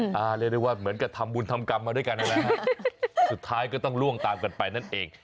เรียกได้ว่าเหมือนกับทำบุญทำกรรมมาด้วยกันนั่นแหละฮะสุดท้ายก็ต้องล่วงตามกันไปนั่นเอง